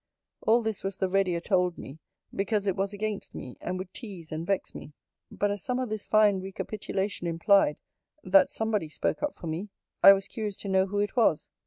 All this was the readier told me, because it was against me, and would tease and vex me. But as some of this fine recapitulation implied, that somebody spoke up for me. I was curious to know who it was.